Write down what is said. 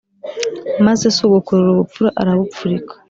maze si ugukurura ubupfura arabupfurika.